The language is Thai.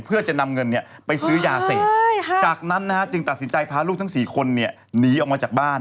เพื่อจะนำเงินไปซื้อยาเสพจากนั้นจึงตัดสินใจพาลูกทั้ง๔คนหนีออกมาจากบ้าน